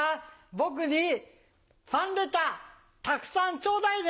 僕にファンレターたくさんちょうだいね。